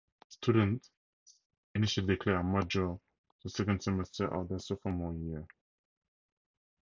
Students initially declare a major the second semester of their sophomore year.